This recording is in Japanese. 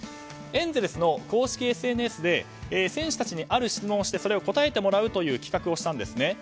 エンゼルスの公式ＳＮＳで選手たちにある質問をして答えてもらうという企画をしたんですね。